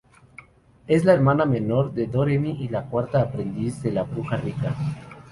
Es la hermana menor de Doremi y la cuarta aprendiz de la bruja Rika.